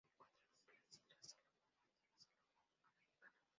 Se encuentra desde las Islas Salomón hasta la Samoa Americana.